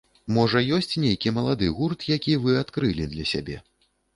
Можа ёсць нейкі малады гурт, які вы адкрылі для сябе?